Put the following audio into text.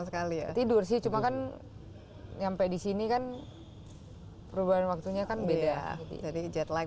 sekali ya tidur sih cuma kan nyampe di sini kan perubahan waktunya kan beda jadi jet like